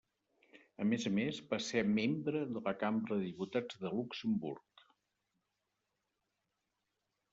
A més a més, va ser membre de la Cambra de Diputats de Luxemburg.